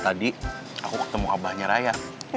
tadi aku ketemu abahnya raya